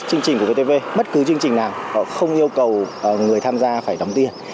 chương trình của vtv bất cứ chương trình nào họ không yêu cầu người tham gia phải đóng tiền